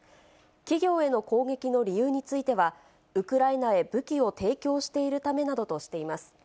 企業への攻撃の理由については、ウクライナへ武器を提供しているためなどとしています。